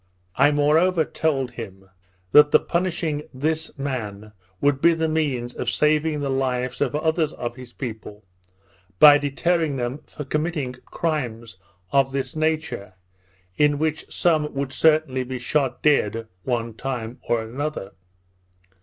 I moreover told him, that the punishing this man would be the means of saving the lives of others of his people, by deterring them from committing crimes of this nature, in which some would certainly be shot dead, one time or another.